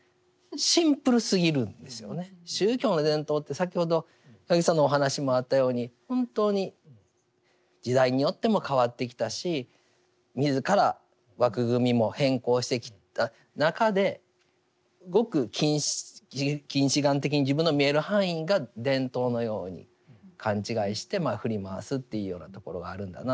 宗教の伝統って先ほど八木さんのお話にもあったように本当に時代によっても変わってきたし自ら枠組みも変更してきた中でごく近視眼的に自分の見える範囲が伝統のように勘違いして振り回すというようなところがあるんだな